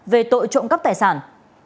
về tội trộm cắp tài sản